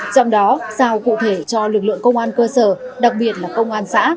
trong đó sao cụ thể cho lực lượng công an cơ sở đặc biệt là công an xã